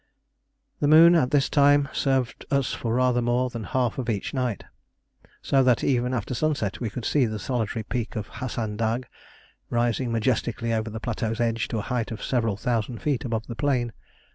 The moon at this time served us for rather more than half of each night, so that even after sunset we could see the solitary peak of Hasan Dagh rising majestically over the plateau's edge to a height of several thousand feet above the plain.